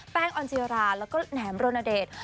แป้งออนเจียราแล้วก็แหนมโรนเดชน์